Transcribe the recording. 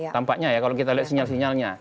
tampaknya ya kalau kita lihat sinyal sinyalnya